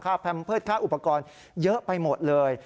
แพมเพิร์ตค่าอุปกรณ์เยอะไปหมดเลย